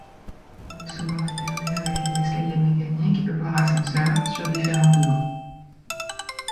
Il est souvent alterné avec les escaliers mécaniques voire ascenseurs, sur différents niveaux.